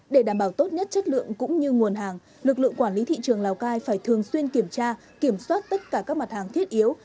để đảm bảo tốt nhất chất lượng cũng như nguồn hàng lực lượng quản lý thị trường lào cai phải thường xuyên kiểm tra kiểm soát tất cả các mặt hàng thiết yếu